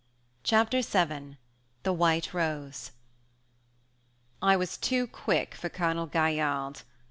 Chapter VII THE WHITE ROSE I was too quick for Colonel Gaillarde.